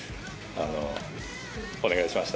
お願いしました、